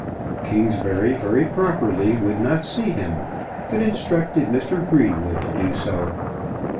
Kingsbury very properly would not see him, but instructed Mr. Greenwood to do so.